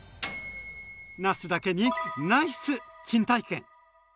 なすだけにナイス珍体験！